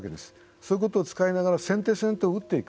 そういうことを使いながら先手先手を打っていく。